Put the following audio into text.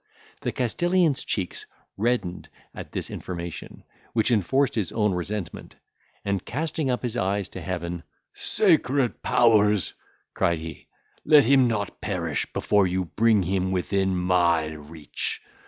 The Castilian's cheeks reddened at this information, which enforced his own resentment, and casting up his eyes to heaven, "Sacred powers!" cried he, "let him not perish, before you bring him within my reach.